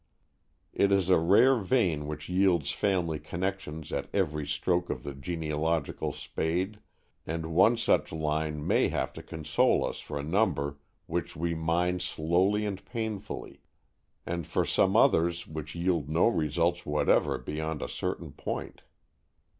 It is a rare vein which yields family connections at every stroke of the genealogical spade, and one such line may have to console us for a number which we mine slowly and painfully, and for some others which yield no results whatever beyond a certain point.